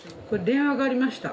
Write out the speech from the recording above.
電話がありました。